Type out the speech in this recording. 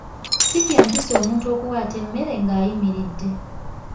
Si kya mpisa omuntu okuwaata emmere nga ayimiridde.